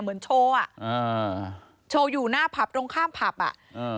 เหมือนโชว์อ่ะอ่าโชว์อยู่หน้าผับตรงข้ามผับอ่ะอ่า